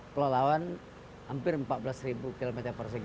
palelawan hampir empat belas kilometer persegi